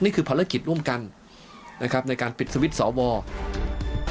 นี่คือภารกิจร่วมกันนะครับในการปิดสวิตช์สอวอล